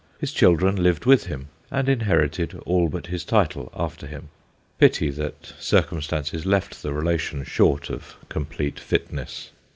His children lived with him, and inherited all but his title after him. Pity that circumstances left the relation short of complete fitness.